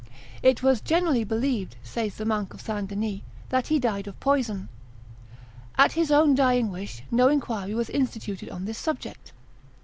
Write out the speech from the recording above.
"It was generally believed," says the monk of St. Denis, "that he died of poison." At his own dying wish, no inquiry was instituted on this subject.